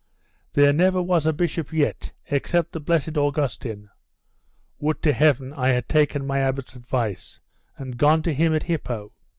There never was a bishop yet, except the blessed Augustine would to Heaven I had taken my abbot's advice, and gone to him at Hippo!